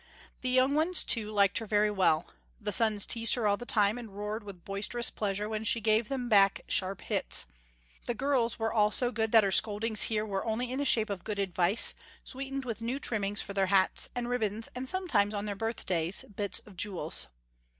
The young ones too, liked her very well. The sons teased her all the time and roared with boisterous pleasure when she gave them back sharp hits. The girls were all so good that her scoldings here were only in the shape of good advice, sweetened with new trimmings for their hats, and ribbons, and sometimes on their birthdays, bits of jewels.